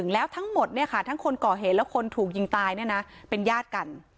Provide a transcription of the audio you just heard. แล้วทั้งหมดทั้งคนก่อเหตุและคนถูกยิงตายเป็นญาติกัน